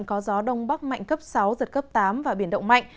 có gió đông bắc mạnh cấp sáu giật cấp tám và biển động mạnh